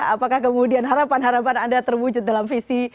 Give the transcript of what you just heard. apakah kemudian harapan harapan anda terwujud dalam visi